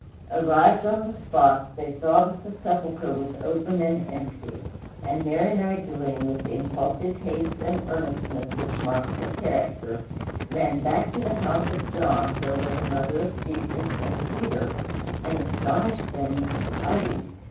Arrived on the spot, they saw that the sepulchre was open and empty, and Mary Magdalene, with the impulsive haste and earnestness which marks her character, ran back to the house of John, where were the mother of Jesus, and Peter, and astonished them with the tidings.